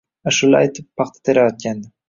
Ashula aytib paxta terayotgandi.